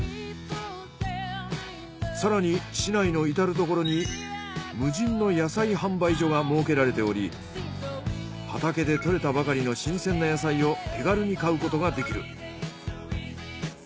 更に市内の至る所に無人の野菜販売所が設けられており畑で採れたばかりの新鮮な野菜を手軽に買うことができる。